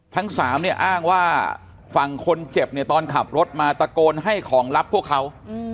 ทั้งสามเนี่ยอ้างว่าฝั่งคนเจ็บเนี่ยตอนขับรถมาตะโกนให้ของลับพวกเขา